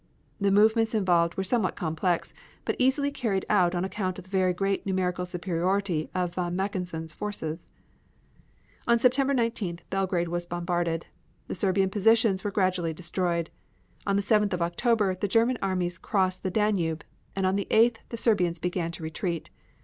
The movements involved were somewhat complex, but easily carried out on account of the very great numerical superiority of von Mackensen's forces. On September 19th Belgrade was bombarded. The Serbian positions were gradually destroyed. On the 7th of October the German armies crossed the Danube, and on the 8th the Serbians began to retreat.